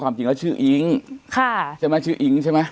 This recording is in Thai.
จริงแล้วชื่ออิ๊งใช่ไหมชื่ออิ๊งใช่ไหม